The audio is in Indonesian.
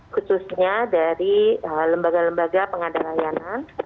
khususnya dari lembaga lembaga pengada layanan